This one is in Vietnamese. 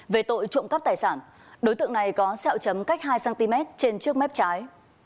về tội trộm cắp tài sản đối tượng này có xeo chấm cách hai cm trên trước mép trái